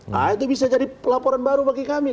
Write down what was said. nah itu bisa jadi laporan baru bagi kami